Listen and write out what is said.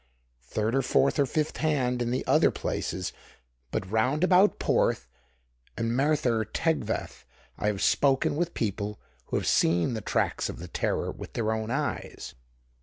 Third or fourth or fifth hand in the other places; but round about Porth and Merthyr Tegveth I have spoken with people who have seen the tracks of the terror with their own eyes.